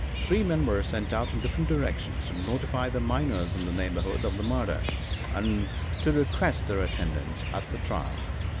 Three men were sent out in different directions to notify the miners in the neighborhood of the murder, and to request their attendance at the trial.